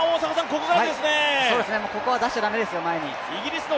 ここは出しちゃ駄目ですよ、前に。